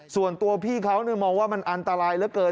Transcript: ส่วนตัวพี่เขามองว่ามันอันตรายเหลือเกิน